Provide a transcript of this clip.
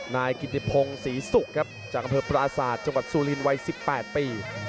นายกิจิพงศ์ศรีสุจากกำเภอปราสาทจังหวัดซูลินวัย๑๘ปี